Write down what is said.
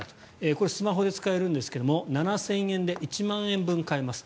これはスマホで使えるんですが７０００円で１万円分買えます。